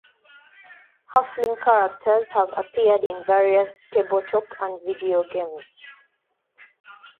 Halfling characters have appeared in various tabletop and video games.